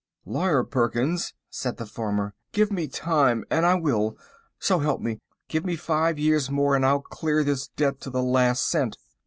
"Lawyer Perkins," said the farmer, "give me time and I will; so help me, give me five years more and I'll clear this debt to the last cent."